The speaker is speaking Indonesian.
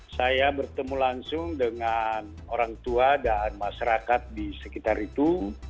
saya bertemu langsung dengan orang tua dan masyarakat di sekitar itu